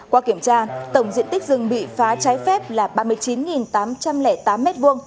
qua kiểm tra tổng diện tích rừng bị phá trái phép là ba mươi chín tám trăm linh tám m hai